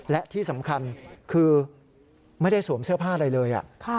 และที่สำคัญคือไม่ได้สวมเสื้อผ้าอะไรเลย